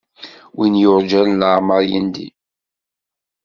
Win yurǧan leεmeṛ yendim.